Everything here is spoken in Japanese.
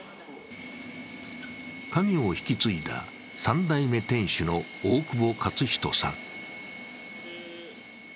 家業を引き継いだ３代目店主の大久保勝仁さん。